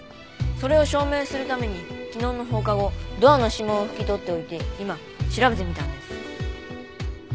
それを証明するために昨日の放課後ドアの指紋を拭き取っておいて今調べてみたんです。